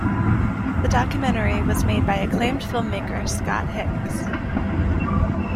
The documentary was made by acclaimed film-maker Scott Hicks.